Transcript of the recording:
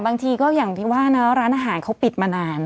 บางทีก็อย่างที่ว่านะร้านอาหารเขาปิดมานาน